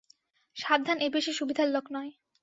সাবধান এ বেশি সুবিধার লোক নয়।